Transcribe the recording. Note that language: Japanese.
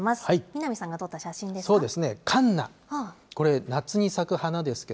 南さんが撮った写真ですか？